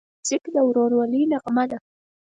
موزیک د ورورولۍ نغمه ده.